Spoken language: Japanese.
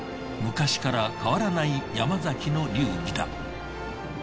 昔から変わらない山崎の流儀だ。